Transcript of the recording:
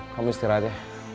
kamu istirahat ya